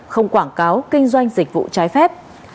không quảng cáo kinh doanh dịch vụ trái phép